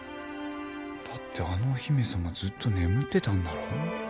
だってあのお姫さまずっと眠ってたんだろ？